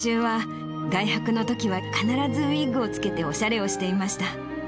入院中は外泊のときは必ずウイッグをつけておしゃれをしていました。